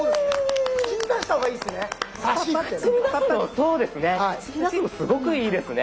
そうですね